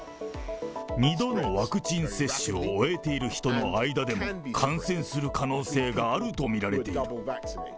２度のワクチン接種を終えている人の間でも、感染する可能性があると見られている。